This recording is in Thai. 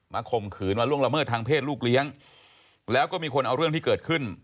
ข่มขืนมาล่วงละเมิดทางเพศลูกเลี้ยงแล้วก็มีคนเอาเรื่องที่เกิดขึ้น